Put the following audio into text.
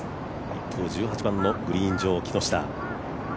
一方、１８番のグリーン上、木下。